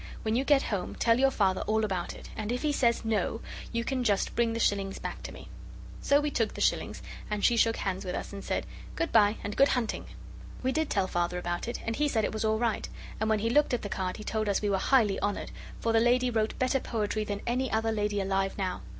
When you get home tell your Father all about it, and if he says No, you can just bring the shillings back to me.' So we took the shillings, and she shook hands with us and said, 'Good bye, and good hunting!' We did tell Father about it, and he said it was all right, and when he looked at the card he told us we were highly honoured, for the lady wrote better poetry than any other lady alive now.